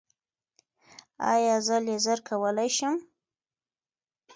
ایا زه لیزر کولی شم؟